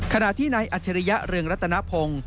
ขณะที่นายอัจฉริยะเรืองรัตนพงศ์